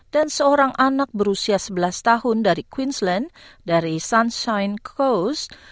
dan seorang anak berusia sebelas tahun dari queensland dari sunshine coast